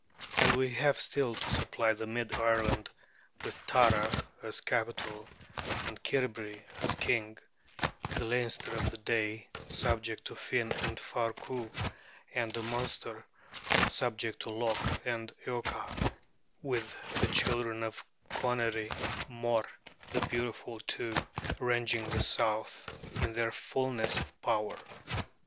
And we have still to supply the mid Ireland, with Tara as capital, and Cairbre as king; the Leinster of that day, subject to Finn and Far Cu; and the Munster, subject to Lok and Eocha, with the children of Conairy Mór the Beautiful, too, ranging the south in their fullness of power.